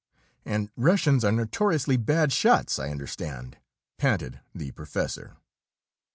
"And Russians are notoriously bad shots, I understand," panted the professor.